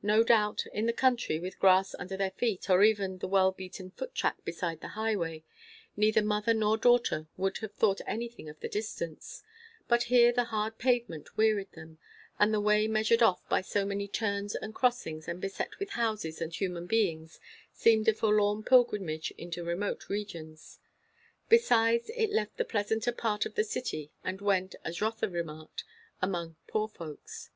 No doubt, in the country, with grass under their feet, or even the well beaten foot track beside the highway, neither mother nor daughter would have thought anything of the distance; but here the hard pavement wearied them, and the way measured off by so many turns and crossings and beset with houses and human beings, seemed a forlorn pilgrimage into remote regions. Besides, it left the pleasanter part of the city and went, as Rotha remarked, among poor folks.